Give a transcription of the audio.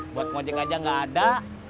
buat mojeng aja enggak ada